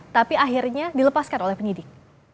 tapi akhirnya dilepaskan oleh penyidik